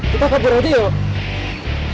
kita kabur aja yuk